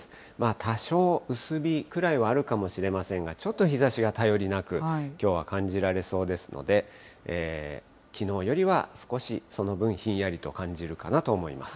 多少、薄日くらいはあるかもしれませんが、ちょっと日ざしが頼りなく、きょうは感じられそうですので、きのうよりは少し、その分、ひんやりと感じるかなと思います。